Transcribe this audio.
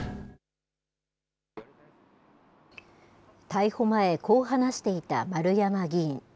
逮捕前、こう話していた丸山議員。